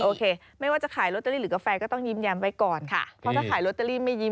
โอเคไม่ว่าจะขายโรตเตอรี่